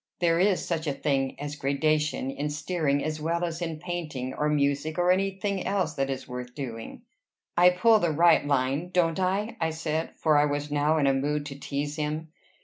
There is such a thing as gradation in steering as well as in painting, or music, or any thing else that is worth doing." "I pull the right line, don't I?" I said; for I was now in a mood to tease him.